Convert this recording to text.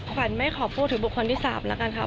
ขวัญไม่ขอพูดถึงบุคคลที่๓แล้วกันค่ะ